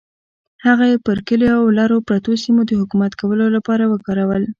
هغه یې پر کلیو او لرو پرتو سیمو د حکومت کولو لپاره وکارول.